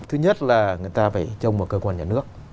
thứ nhất là người ta phải trông vào cơ quan nhà nước